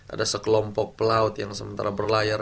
ada sekelompok pelaut yang sementara berlayar